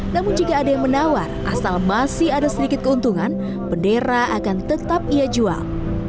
namun jika ada yang menawar asal masih ada sedikit keuntungan bendera akan tetap ia jual